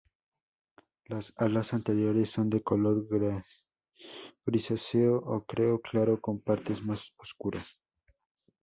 Las alas anteriores son de color grisáceo-ocreo claro, con partes más oscuras.